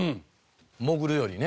潜るよりね。